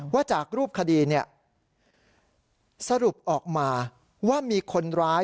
ว่าจากรูปคดีสรุปออกมาว่ามีคนร้าย